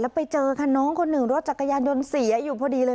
แล้วไปเจอคันน้องคนหนึ่งรถจักรยานยนต์๔อยู่พอดีเลย